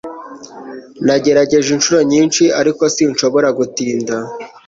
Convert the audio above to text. Nagerageje inshuro nyinshi, ariko sinshobora gutsinda.